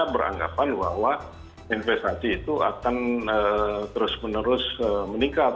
beranggapan bahwa investasi itu akan terus menerus meningkat